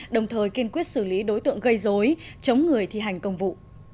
đồng thời kiên quyết xử lý đối tượng gây dối chống người thi hành công vụ